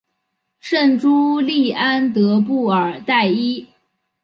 圣朱利安德布尔代伊。